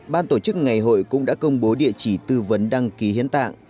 ban tổ chức ngày hội cũng đã công bố địa chỉ tư vấn đăng ký hiến tạng